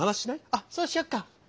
あそうしよっか。